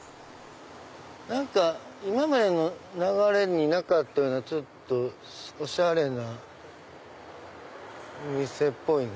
今までの流れになかったようなおしゃれなお店っぽいな。